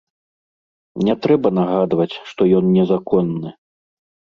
Не трэба нагадваць, што ён незаконны.